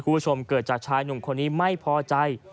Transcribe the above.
เกิดจากชายหนุ่มคนนี้ไม่พอใจ